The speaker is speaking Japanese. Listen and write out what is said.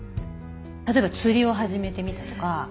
例えば釣りを始めてみたとか。